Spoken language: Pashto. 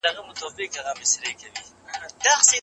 څه وخت باید موږ خپل تمرین پای ته ورسوو؟